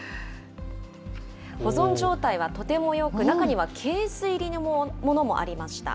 保存状態はとてもよく、中にはケース入りのものもありました。